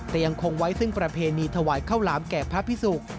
แต่ยังคงไว้ซึ่งประเพณีถวายข้าวหลามแก่พระพิสุก